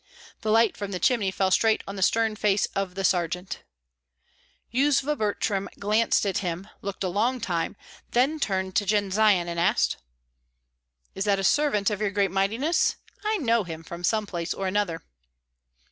The light from the chimney fell straight on the stern face of the sergeant. Yuzva Butrym glanced at him, looked a long time, then turned to Jendzian and asked, "Is that a servant of your great mightiness? I know him from some place or another."